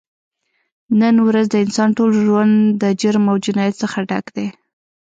نن ورځ د انسان ټول ژون د جرم او جنایت څخه ډک دی